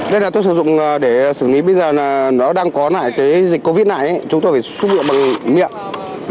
đây là tôi sử dụng để xử lý bây giờ là nó đang có lại cái dịch covid này chúng tôi phải xúc dựa bằng miệng